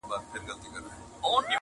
نن به واخلي د تاریخ کرښي نومونه-